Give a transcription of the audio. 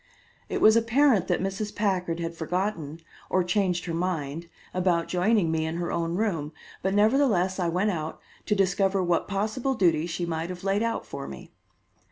It was apparent that Mrs. Packard had forgotten or changed her mind about joining me in her own room, but nevertheless I went out, to discover what possible duties she might have laid out for me.